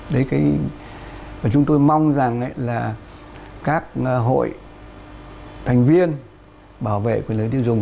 đấy cái và chúng tôi mong rằng là các hội thành viên bảo vệ quyền lợi tiêu dùng